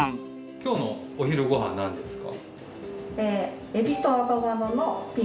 今日のお昼ご飯何ですか？